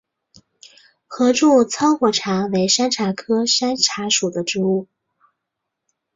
合柱糙果茶为山茶科山茶属的植物。